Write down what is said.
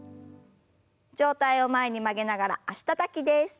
上体を前に曲げながら脚たたきです。